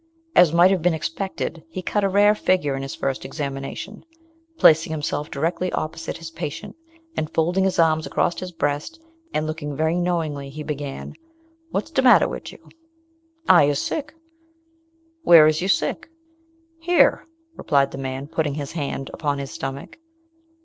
As might have been expected, he cut a rare figure in his first examination, placing himself directly opposite his patient, and folding his arms across his breast, and looking very knowingly, he began, "What's de matter wid you?" "I is sick." "Where is you sick?" "Here," replied the man, putting his hand upon his stomach.